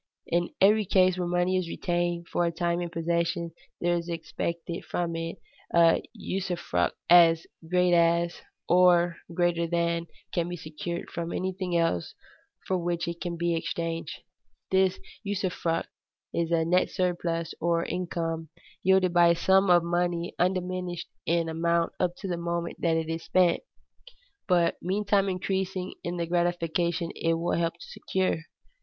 In every case where money is retained for a time in possession, there is expected from it a usufruct as great as, or greater than, can be secured from anything else for which it can be exchanged. This usufruct is a net surplus, or income, yielded by a sum of money undiminished in amount up to the moment it is spent, but meantime increasing in the gratification it will help to secure.